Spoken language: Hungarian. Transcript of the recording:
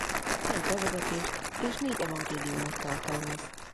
Egy bevezetést és négy evangéliumot tartalmaz.